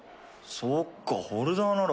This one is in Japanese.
そっかホルダーなら。